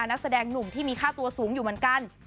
นักแสดงหนุ่มที่มีค่าตัวสูงอยู่เหมือนกัน